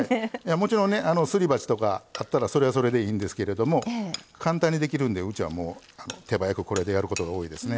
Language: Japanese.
もちろんねすり鉢とかあったらそれはそれでいいんですけれども簡単にできるんでうちはもう手早くこれでやることが多いですね。